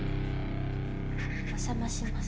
お邪魔します。